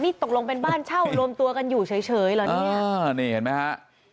นี่ตกลงเป็นบ้านเช่ารวมตัวกันอยู่เฉยเหรอเนี่ยนี่เห็นไหมฮะ